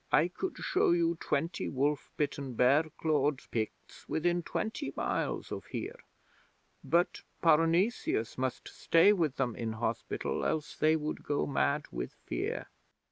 "I could show you twenty wolf bitten, bear clawed Picts within twenty miles of here. But Parnesius must stay with them in hospital, else they would go mad with fear."